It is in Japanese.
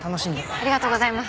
ありがとうございます。